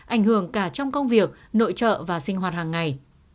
ảnh hưởng cả trong công việc nội trợ và sinh hoạt hàng ngày